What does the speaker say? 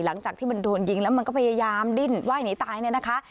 หลังจากที่มันโดนยิงแล้วมันก็พยายามดิ้นไหว้หนีตายเนี่ยนะคะ